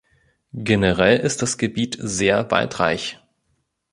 Generell ist das Gebiet sehr waldreich.